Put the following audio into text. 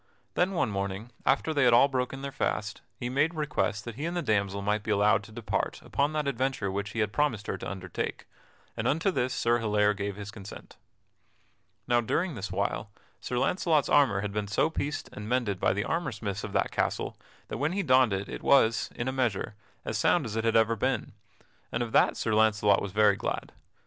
Then one morning, after they had all broken their fast, he made request that he and the damsel might be allowed to depart upon that adventure which he had promised her to undertake, and unto this Sir Hilaire gave his consent. Now, during this while, Sir Launcelot's armor had been so pieced and mended by the armor smiths of that castle that when he donned it it was, in a measure, as sound as it had ever been, and of that Sir Launcelot was very glad.